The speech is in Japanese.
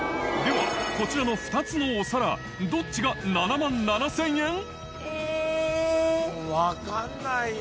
では、こちらの２つのお皿、どっちが７万７０００円？